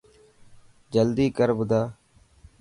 جلدي ڪر ٻڌا.